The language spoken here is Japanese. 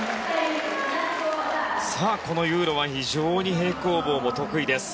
このユーロは非常に平行棒も得意です。